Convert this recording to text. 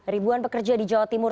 ribuan pekerja di jawa timur